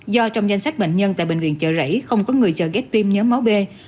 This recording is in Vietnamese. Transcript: do trong danh sách bệnh nhân tại bệnh viện chờ rẫy không có người chờ ghép tim nhớ máu bê